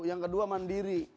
yang kedua mandiri